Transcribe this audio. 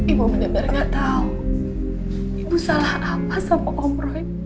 ibu bener bener gak tau ibu salah apa sama om roy